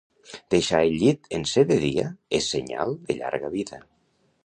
Deixar el llit en ser de dia és senyal de llarga vida.